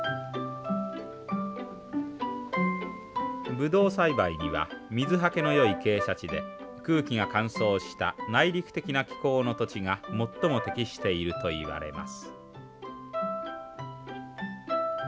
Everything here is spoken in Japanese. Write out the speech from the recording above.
ブドウ栽培には水はけのよい傾斜地で空気が乾燥した内陸的な気候の土地が最も適しているといわれます。